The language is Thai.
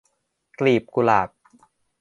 กลีบกุหลาบ